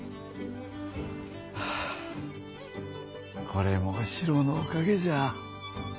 はあこれもシロのおかげじゃ」。